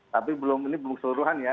tapi ini belum seluruhan ya